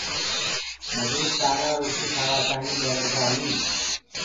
مجور سآرآ روٽي کآوآ تآڻي ٻيٺ گآ هينٚ